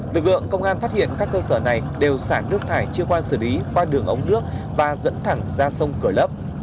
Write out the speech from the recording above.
lực lượng công an phát hiện các cơ sở này đều xả nước thải chưa qua xử lý qua đường ống nước và dẫn thẳng ra sông cửa lớp